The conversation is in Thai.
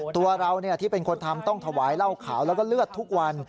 ตัวเราที่เป็นคนทำต้องถวายเหล้าขาวแล้วก็เลือดทุกวัน